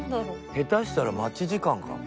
下手したら待ち時間かも。